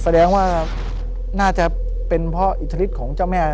แสดงว่าน่าจะเป็นเพราะอิทธิฤทธิของเจ้าแม่